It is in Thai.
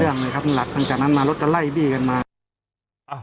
เรื่องเลยครับหลักขึ้นจากนั้นมารถก็ไล่บี้กันมา